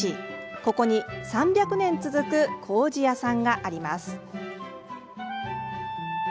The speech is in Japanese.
ここに３００年続くこうじ屋さんがあります。